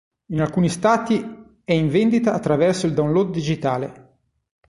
In alcuni stati è in vendita attraverso il download digitale.